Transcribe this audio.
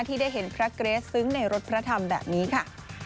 ที่ได้เห็นพระเกรสซึ้งในรถพระธรรมแบบนี้ค่ะ